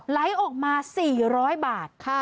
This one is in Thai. ไหลออกมา๔๐๐บาท